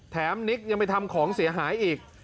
แถมนิ๊กยังไม่ทำของเสียหายอีก